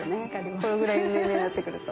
このぐらいの年齢になって来ると。